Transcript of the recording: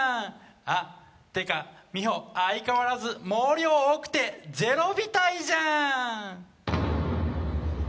あっ、てか、みほ、相変わらず毛量多くてゼロ額じゃん。